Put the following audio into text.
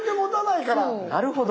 なるほど。